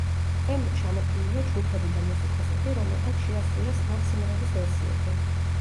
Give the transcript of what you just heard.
ქვემოთ ჩამოთვლილია ჯგუფები და მუსიკოსები, რომელთაც შეასრულეს ამ სიმღერის ვერსიები.